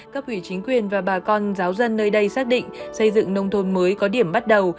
các vị chính quyền và bà con giáo dân nơi đây xác định xây dựng nông thôn mới có điểm bắt đầu